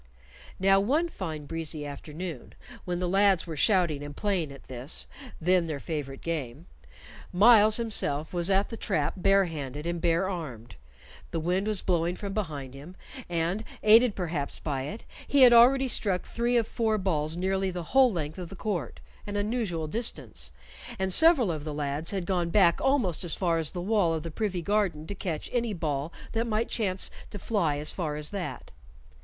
Now one fine breezy afternoon, when the lads were shouting and playing at this, then their favorite game, Myles himself was at the trap barehanded and barearmed. The wind was blowing from behind him, and, aided perhaps by it, he had already struck three of four balls nearly the whole length of the court an unusual distance and several of the lads had gone back almost as far as the wall of the privy garden to catch any ball that might chance to fly as far as that.